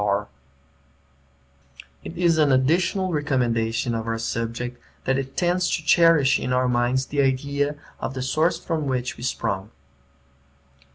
[Footnote: Wordsworth] It is an additional recommendation of our subject, that it tends to cherish in our minds the idea of the source from which we sprung.